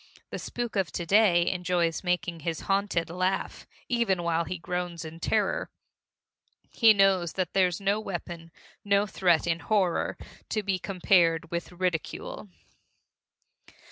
The spook of to day enjoys making his haunted laugh even while he groans in terror. He knows that there's no weapon, no threat, in horror, to be compared with ridicule.